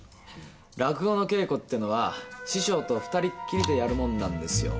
「落語の稽古」ってのは師匠と二人っきりでやるもんなんですよ。